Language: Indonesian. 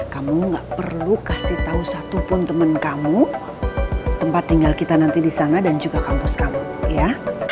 kamu gak perlu kasih tahu satupun temen kamu tempat tinggal kita nanti di sana dan juga kampus kamu ya